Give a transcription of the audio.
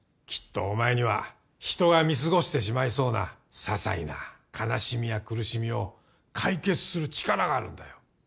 きっとお前には人が見過ごしてしまいそうなささいな悲しみや苦しみを解決する力があるんだよ。